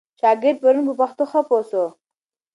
شاګرد پرون په پښتو ښه پوه سو.